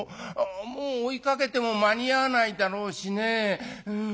もう追いかけても間に合わないだろうしね。